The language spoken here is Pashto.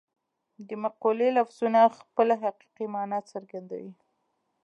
د مقولې لفظونه خپله حقیقي مانا څرګندوي